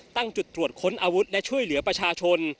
ตั้งจุดตรวจค้นอาวุธและช่วยเหลือประชาชน